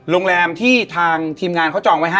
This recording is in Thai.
โรงแรมที่ทางทีมงานเขาจองไว้ให้